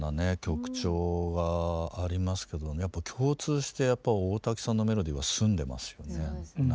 曲調がありますけどやっぱ共通してやっぱ大滝さんのメロディーは澄んでますよね。